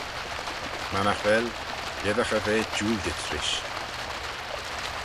Mannagh vel, lhisagh eh ve jiooldit rish.